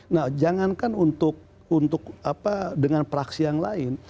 nah jangankan untuk dengan praksi yang lain